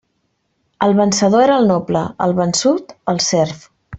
El vencedor era el noble, el vençut el serf.